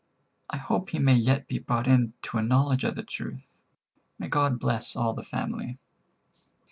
I hope he may yet be brought into a knowledge of the truth. May God bless all the family."